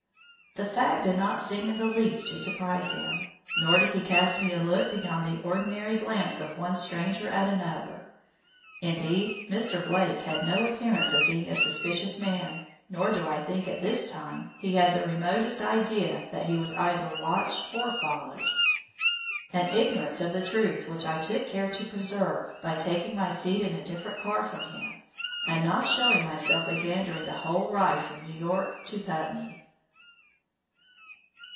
The fact did not seem in the least to surprise him, nor did he cast me a look beyond the ordinary glance of one stranger at another. Indeed Mr. Blake had no appearance of being a suspicious man, nor do I think at this time, he had the remotest idea that he was either watched or followed; an ignorance of the truth which I took care to preserve by taking my seat in a different car from him and not showing myself again during the whole ride from New York to Putney.